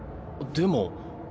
でも。